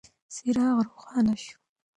څراغ روښانه شو.